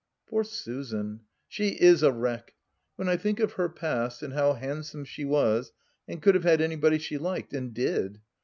Poor Susan, she is a wreck ! When I think of her past, and how handsome she was and could have had anybody she liked, and did.